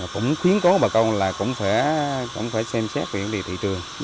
cũng khuyến cố bà con là cũng phải xem xét việc đi thị trường